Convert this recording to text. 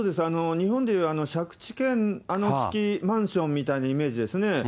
日本でいう借地権付きマンションみたいなイメージですね。